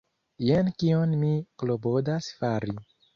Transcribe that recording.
Jen kion mi klopodas fari.